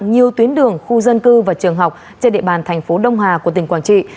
nhiều tuyến đường khu dân cư và trường học trên địa bàn thành phố đông hà của tỉnh quảng trị